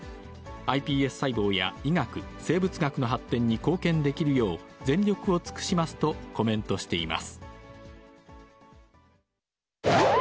ｉＰＳ細胞や医学・生物学の発展に貢献できるよう、全力を尽くしますとコメントしています。